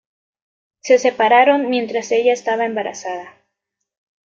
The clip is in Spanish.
Se separaron mientras ella estaba embarazada.